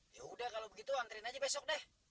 yaudah kalau begitu anterin aja besok deh